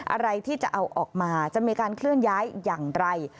อะไรที่จะเอาออกมาจะมีการเคลื่อนย้ายอย่างไร